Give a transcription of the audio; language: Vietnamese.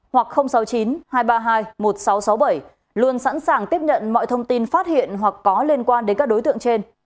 hoặc sáu mươi chín hai trăm ba mươi hai một nghìn sáu trăm sáu mươi bảy luôn sẵn sàng tiếp nhận mọi thông tin phát hiện hoặc có liên quan đến các đối tượng trên